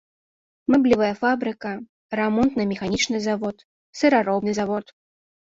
Мэблевая фабрыка, рамонтна-механічны завод, сыраробны завод.